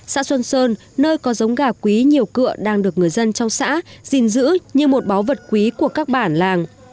xã xuân sơn nơi có giống gà quý nhiều cựa đang được người dân trong xã gìn giữ như một báu vật quý của các bản làng